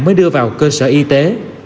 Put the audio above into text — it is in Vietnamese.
họ đưa vào cơ sở y tế